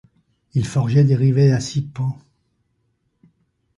Il forgeait des rivets à six pans.